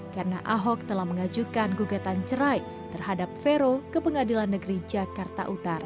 karena ahok telah mengajukan gugatan cerai terhadap vero ke pengadilan negeri jakarta utara